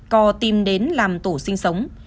cò tìm đến làm tổ sinh sống